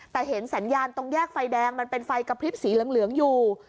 แต่เห็นสัญญาณตรงแยกไฟแดงมันเป็นไฟกระพริบสีเหลืองอยู่